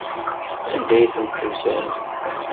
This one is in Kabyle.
Anda ay ten-tuzamt?